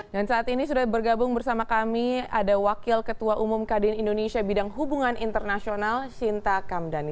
dan saat ini sudah bergabung bersama kami ada wakil ketua umum kdin indonesia bidang hubungan internasional sinta kamdani